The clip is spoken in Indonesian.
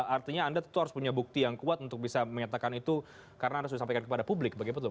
artinya anda tentu harus punya bukti yang kuat untuk bisa menyatakan itu karena anda sudah sampaikan kepada publik begitu